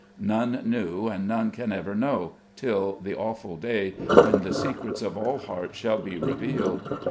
None knew, and none can ever know, till the Awful Day, when "the secrets of all hearts shall be revealed."